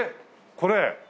これ？